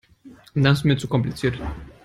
Das ist mir zu kompliziert.